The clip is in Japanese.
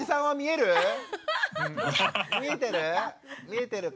見えてる？